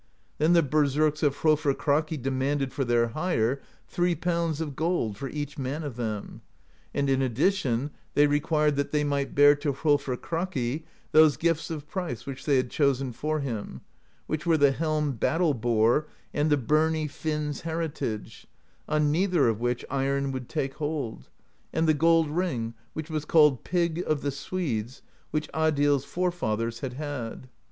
Then the berserks of Hrolfr Kraki demanded for their hire three pounds of gold for each man of them; and in addition they required that they might bear to Hrolfr Kraki those gifts of price which they had chosen for him : which were the Helm Bat tle Boar and the birnie Finn's Heritage, — on neither of which iron would take hold, — and the gold ring which was called Pig of the Swedes, which Adils' forefathers had had.